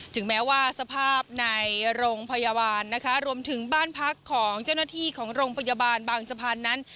ถึงแม้ว่าสภาพในโรงพยาบาลนะคะรวมถึงบ้านพักของเจ้าหน้าที่ของโรงพยาบาลบางสะพานนั้น